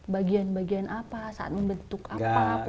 bagian bagian apa saat membentuk apa